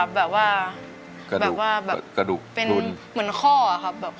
แบบว่าเป็นเหมือนข้อครับ